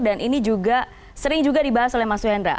dan ini juga sering dibahas oleh pak suyendra